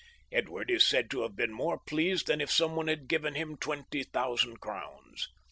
Edward is said to have been more pleased than if some one had given him twenty thousand crowns.